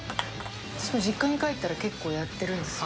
実家に帰ったら、結構やってるんですよ。